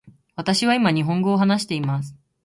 私は今日本語を話しています。